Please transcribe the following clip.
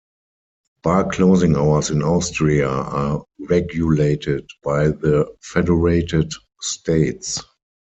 Bar closing hours in Austria are regulated by the federated states.